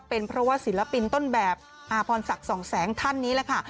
เป็นเพราะว่าศิลปินต้นแบบอาพรศักดิ์สองแสงท่านนี้แหละค่ะ